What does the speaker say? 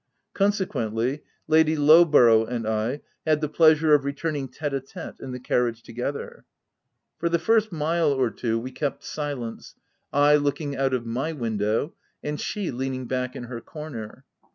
Consequently, Lady Lowborough and I had the pleasure of returning tete a tete in the car riage together. For the first mile or two, we OF WILDFELL HALL. 323 kept silence, I looking out of my window, and she leaning back in her corner.